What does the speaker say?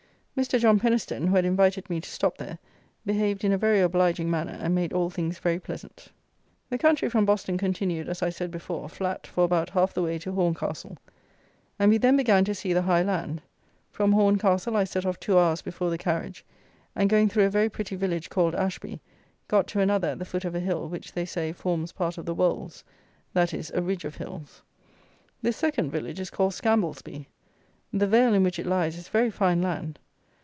Mr. John Peniston, who had invited me to stop there, behaved in a very obliging manner, and made all things very pleasant. The country from Boston continued, as I said before, flat for about half the way to Horncastle, and we then began to see the high land. From Horncastle I set off two hours before the carriage, and going through a very pretty village called Ashby, got to another at the foot of a hill, which, they say, forms part of the Wolds; that is, a ridge of hills. This second village is called Scamblesby. The vale in which it lies is very fine land.